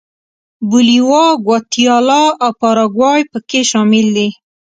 بولیویا، ګواتیلا او پاراګوای په کې شامل دي.